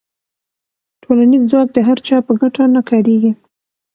ټولنیز ځواک د هر چا په ګټه نه کارېږي.